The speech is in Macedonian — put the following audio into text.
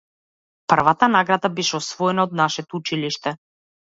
Првата награда беше освоена од нашето училиште.